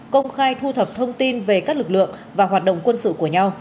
công khai thu thập thông tin về các lực lượng và hoạt động quân sự của nhau